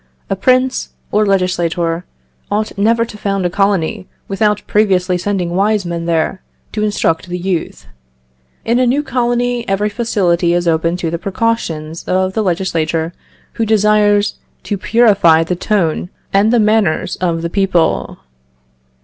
A prince, or legislator, ought never to found a colony without previously sending wise men there to instruct the youth.... In a new colony, every facility is open to the precautions of the legislator who desires to purify the tone and the manners of the people.